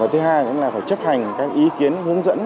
và thứ hai cũng là phải chấp hành các ý kiến hướng dẫn